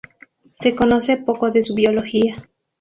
Se conoce poco de su biología.